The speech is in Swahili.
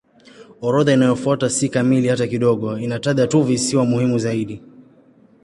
Orodha inayofuata si kamili hata kidogo; inataja tu visiwa muhimu zaidi.